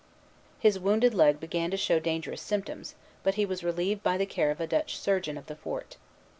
His wounded leg began to show dangerous symptoms; but he was relieved by the care of a Dutch surgeon of the fort.